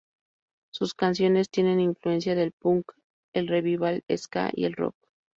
Sus canciones tienen influencia del punk, el revival ska y el rock.